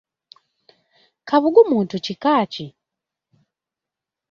Kabugu muntu kika ki?